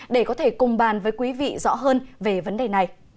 để có thể cùng bàn với quý vị rõ hơn về vấn đề này